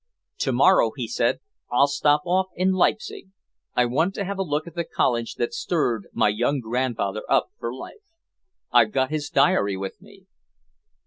"To morrow," he said, "I'll stop off in Leipsic. I want to have a look at the college that stirred my young grandfather up for life. I've got his diary with me."